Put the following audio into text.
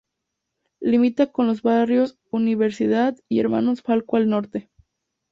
Limita con los barrios Universidad y Hermanos Falcó al norte.